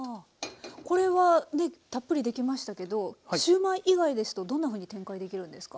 これはねたっぷりできましたけどシューマイ以外ですとどんなふうに展開できるんですか？